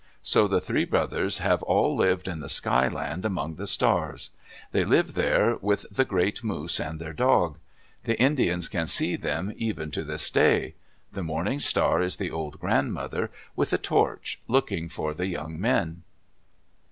So the three brothers have all lived in the Sky Land among the stars. They live there with the great moose and their dog. The Indians can see them even to this day. The morning star is the old grandmother, with a torch, looking for the young men.